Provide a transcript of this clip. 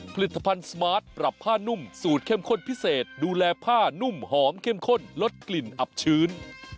ผลิตภัณฑ์สมาร์ทปรับผ้านุ่มสูตรเข้มข้นพิเศษดูแลผ้านุ่มหอมเข้มข้นลดกลิ่นอับชื้น